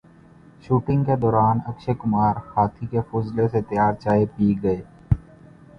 shooting کے دوران اکشے کمار ہاتھی کے فضلے سے تیار چائے پی گئے